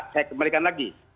saya kembalikan lagi